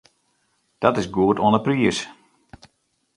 Dat is goed oan 'e priis.